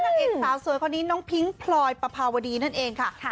นางเอกสาวสวยคนนี้น้องพิ้งพลอยปภาวดีนั่นเองค่ะ